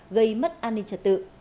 gây mất an ninh trật tự